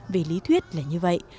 về lý thuyết là như vậy